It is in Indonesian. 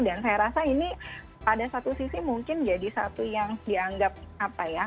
dan saya rasa ini pada satu sisi mungkin jadi satu yang dianggap apa ya